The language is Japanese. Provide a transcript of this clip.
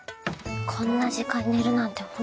こんな時間に寝るなんて